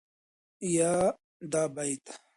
يا دا بيت